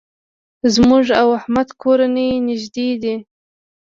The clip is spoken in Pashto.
زموږ او احمد کورنۍ نېږدې ده.